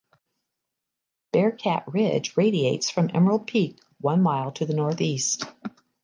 Bearcat Ridge radiates from Emerald Peak one mile to the northeast.